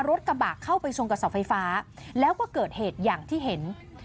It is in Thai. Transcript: รถกระบะเข้าไปชนกับเสาไฟฟ้าแล้วก็เกิดเหตุอย่างที่เห็น